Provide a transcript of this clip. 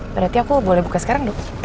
berarti aku boleh buka sekarang dok